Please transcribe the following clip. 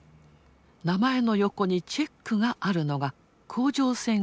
名前の横にチェックがあるのが甲状腺を摘出した人。